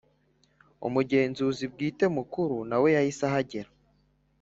Umugenzuzi Bwite Mukuru nawe yahise ahagera